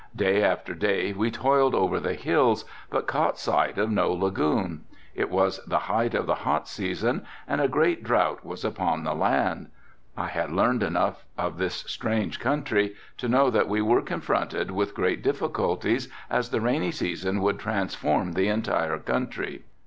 Day after day we toiled over the hills but caught sight of no lagoon. It was the height of the hot season and a great drought was upon the land. I had learned enough of this strange country to know that we were confronted with great difficulties as the rainy season would transform the entire country.